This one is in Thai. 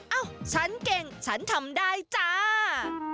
เอ้าฉันเก่งฉันทำได้จ้า